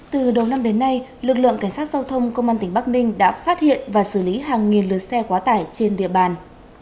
từ đầu năm đến nay lực lượng cảnh sát giao thông công an tỉnh bắc ninh đã phát hiện và xử lý hàng nghìn lượt xe quá tải trên địa bàn